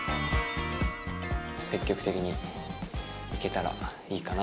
積極的にいけたらいいかなと。